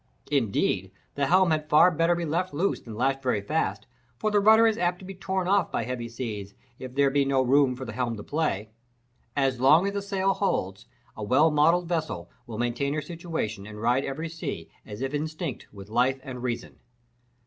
Indeed, the helm had far better be left loose than lashed very fast, for the rudder is apt to be torn off by heavy seas if there be no room for the helm to play. As long as the sail holds, a well modelled vessel will maintain her situation, and ride every sea, as if instinct with life and reason.